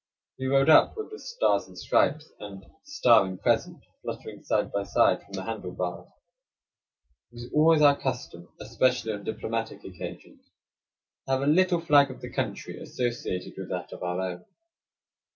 We rode up with the "stars and stripes" and "star and crescent" fluttering side by side from the handle bars. It was always our custom, especially on diplomatic occasions, 40 Across Asia on a Bicycle to have a little flag of the country associated with that of our own.